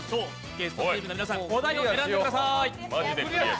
ゲストチームの皆さん、お題を選んでください。